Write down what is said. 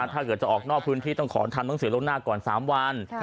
ถ้าเกิดจะออกนอกพื้นที่ต้องขออนุญาตธรรมด้านสื่อโลกหน้าก่อน๓วัน